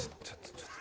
ちょっと